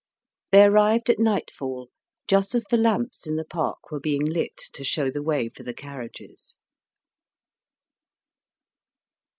They arrived at nightfall, just as the lamps in the park were being lit to show the way for the carriages.